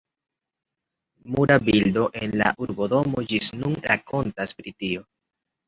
Mura bildo en la urbodomo ĝis nun rakontas pri tio.